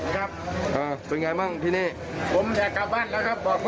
ขอบคุณมากครับพี่ที่มาช่วยพวกผมขอให้พวกผมได้กลับบ้าน